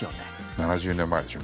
７０年前でしょ。